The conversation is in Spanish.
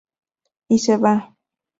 Y se va.